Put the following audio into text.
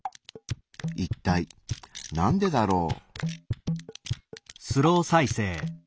一体なんでだろう？